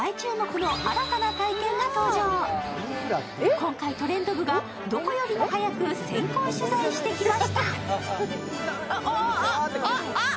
今回、「トレンド部」がどこよりも早く先行取材してきました。